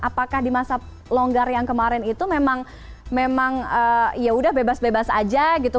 apakah di masa longgar yang kemarin itu memang ya udah bebas bebas aja gitu